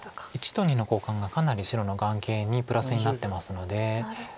①と②の交換がかなり白の眼形にプラスになってますので。